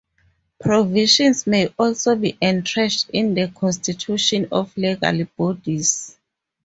Provisions may also be entrenched in the constitutions of legal bodies.